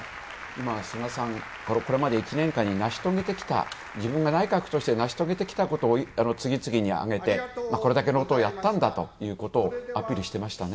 菅さん、これまで１年間に成し遂げてきた自分が内閣として成し遂げてきたことを次々に挙げて、これだけのことをやったんだということをアピールしていましたね。